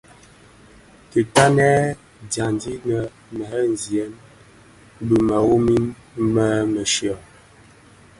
Dhi ntanen dyandi di nud ndhemziyèn bi mëwoni më mëshyom.